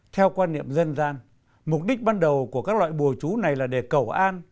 theo quan niệm dân gian mục đích ban đầu của các loại bùa chú này là để cầu an